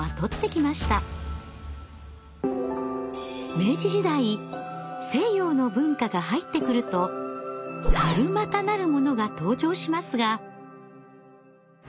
明治時代西洋の文化が入ってくると猿股なるものが登場しますが。